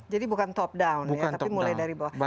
jadi bukan top down tapi mulai dari bawah